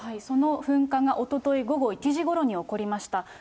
その噴火がおととい午後１時ごろに起こりました。